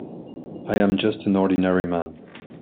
I am just an ordinary man.